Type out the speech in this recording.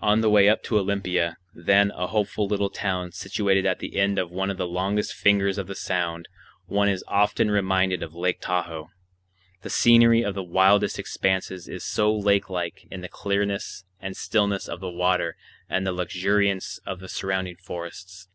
On the way up to Olympia, then a hopeful little town situated at the end of one of the longest fingers of the Sound, one is often reminded of Lake Tahoe, the scenery of the widest expanses is so lake like in the clearness and stillness of the water and the luxuriance of the surrounding forests.